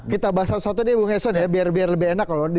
kita bahas satu satu nih bung yason ya biar lebih enak loh